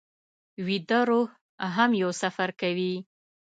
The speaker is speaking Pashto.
ویده روح هم یو سفر کوي